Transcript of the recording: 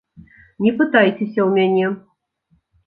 Не пытайцеся ў мяне.